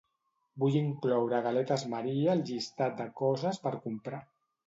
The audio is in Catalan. Vull incloure galetes Maria al llistat de coses per comprar.